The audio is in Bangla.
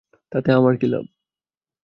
তাতে আমার কী লাভ?